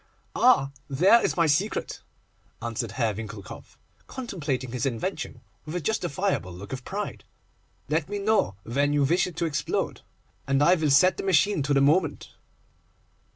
'Ah! there is my secret,' answered Herr Winckelkopf, contemplating his invention with a justifiable look of pride; 'let me know when you wish it to explode, and I will set the machine to the moment.